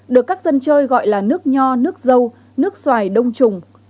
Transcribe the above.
được các dân chơi gọi là nước nho nước dâu nước xoài đông trùng